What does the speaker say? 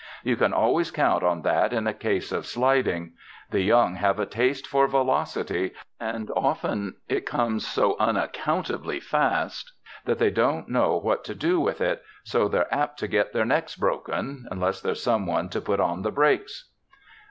You can always count on that in a case of sliding. The young have a taste for velocity and often it comes so unaccountably fast that they don't know what to do with it, so they're apt to get their necks broken unless there's some one to put on the brakes."